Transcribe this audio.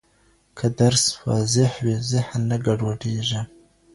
که درس واضح وي، ذهن نه ګډوډېږي.